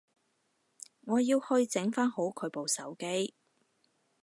我要去整返好佢部手機